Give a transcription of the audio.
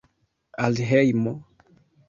Al hejmo!